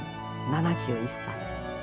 ７１歳。